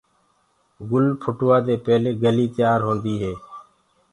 گُل ڦُٽوآدي پيلي ڪلي تيآر هوندي هي۔